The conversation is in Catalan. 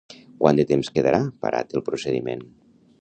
Quant de temps quedarà parat el procediment?